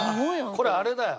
これあれだよ。